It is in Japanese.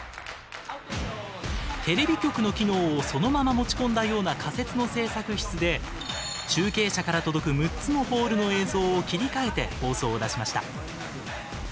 テレビ局の機能をそのまま持ち込んだような仮設の制作室で中継車から届く６つのホールの映像を切り替えて放送を出しました。